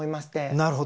なるほど。